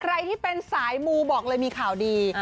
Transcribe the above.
ใครที่เป็นสายมูบอกเลยมีข่าวดี